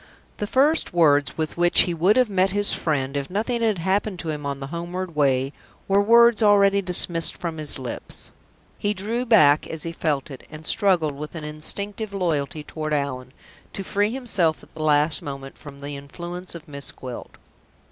The first words with which he would have met his friend, if nothing had happened to him on the homeward way, were words already dismissed from his lips. He drew back as he felt it, and struggled, with an instinctive loyalty toward Allan, to free himself at the last moment from the influence of Miss Gwilt.